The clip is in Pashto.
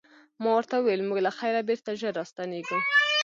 ما ورته وویل موږ له خیره بېرته ژر راستنیږو.